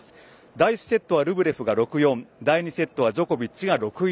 第１セットはルブレフが６−４第２セットはジョコビッチが６−１。